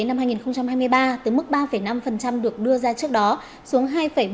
năm hai nghìn hai mươi ba từ mức ba năm được đưa ra trước đó xuống hai bảy